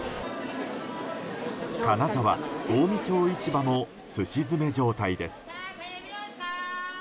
金沢・近江町市場もすし詰め状態です。